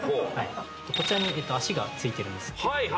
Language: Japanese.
こちらに足がついてるんです。